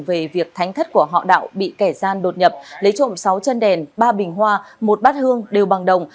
về việc thánh thất của họ đạo bị kẻ gian đột nhập lấy trộm sáu chân đèn ba bình hoa một bát hương đều bằng đồng